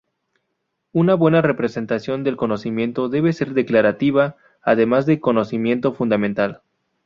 Una buena representación del conocimiento debe ser declarativa, además de conocimiento fundamental.